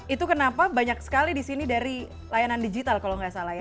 itu kenapa banyak sekali di sini dari layanan digital kalau nggak salah ya